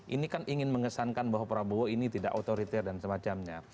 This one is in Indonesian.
ini kan ingin mengesankan bahwa prabowo ini tidak otoriter dan semacamnya